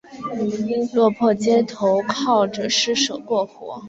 落魄街头靠著施舍过活